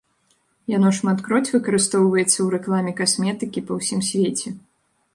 Яно шматкроць выкарыстоўваецца ў рэкламе касметыкі па ўсім свеце.